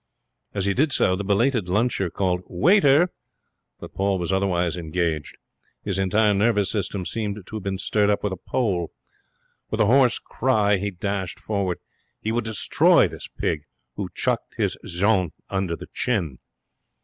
As he did so, the belated luncher called 'Waiter!' but Paul was otherwise engaged. His entire nervous system seemed to have been stirred up with a pole. With a hoarse cry he dashed forward. He would destroy this pig who chucked his Jeanne under the chin.